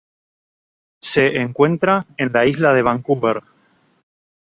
Se encuentra en la Isla de Vancouver.